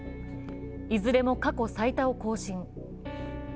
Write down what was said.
いずれも過去最多を更新。